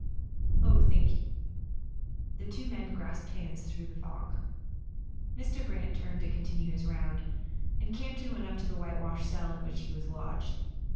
"Oh, thank you." The two men grasped hands through the fog. Mr. Brant turned to continue his round, and Camp ton went up to the white washed cell in which he was lodged.